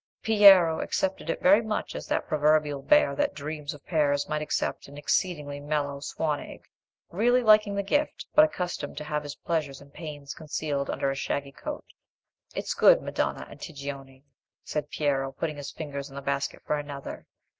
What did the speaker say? Piero accepted it very much as that proverbial bear that dreams of pears might accept an exceedingly mellow "swan egg"—really liking the gift, but accustomed to have his pleasures and pains concealed under a shaggy coat. "It's good, Madonna Antigone," said Piero, putting his fingers in the basket for another.